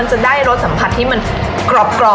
มันจะได้รสสลับที่มันกรอบ